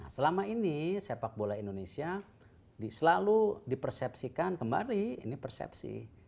selama ini sepak bola indonesia selalu dipersepsikan kembali ini persepsi